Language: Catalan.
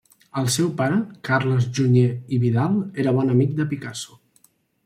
El seu pare, Carles Junyer i Vidal, era bon amic de Picasso.